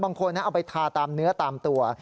บางคนเอาไปทาตามเนื้อตามตัว